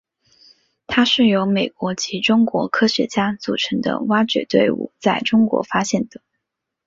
它是由美国及中国科学家组成的挖掘队伍在中国发现的。